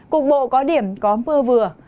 cục bộ có điểm có mưa vừa